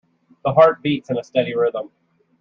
The heart beats in a steady rhythm.